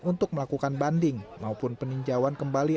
untuk melakukan banding maupun peninjauan kembali